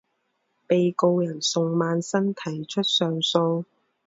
被告人宋万新提出上诉。